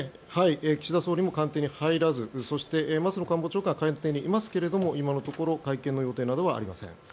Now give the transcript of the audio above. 岸田総理も官邸に入らずそして松野官房長官は官邸にいますが今のところ会見の予定などはありません。